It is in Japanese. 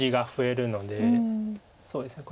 そうですね